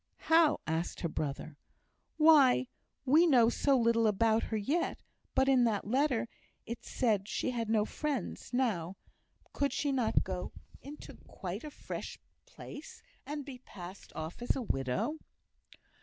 "How?" asked her brother. "Why we know so little about her yet; but in that letter, it said she had no friends; now, could she not go into quite a fresh place, and be passed off as a widow?"